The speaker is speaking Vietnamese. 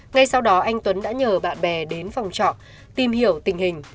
ngay sau đó anh tuấn đã nhờ bạn bè đến phòng trọ tìm hiểu tình hình